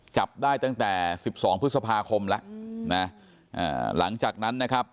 จับได้ตั้งแต่สิบสองพฤษภาคมแล้วนะหลังจากนั้นนะครับ